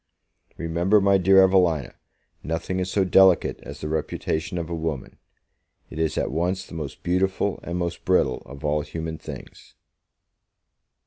Remember, my dear Evelina, nothing is so delicate as the reputation of a woman; it is at once the most beautiful and most brittle of all human things.